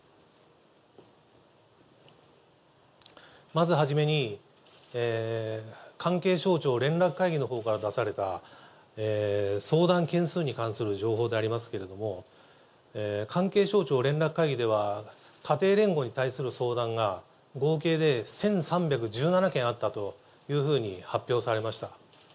まず初めに、関係省庁連絡会議のほうから出された相談件数に関する情報でありますけれども、関係省庁連絡会議では、家庭連合に対する相談が合計で１３１７件あったというふうに発表されました。